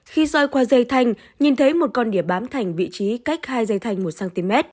khi soi qua dây thanh nhìn thấy một con địa bám thành vị trí cách hai dây thanh một cm